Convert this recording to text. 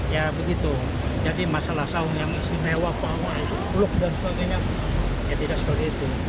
ya begitu jadi masalah saung yang istimewa bangun bluk dan sebagainya ya tidak seperti itu